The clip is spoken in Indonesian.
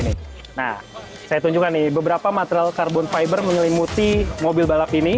nah saya tunjukkan nih beberapa material karbon fiber menyelimuti mobil balap ini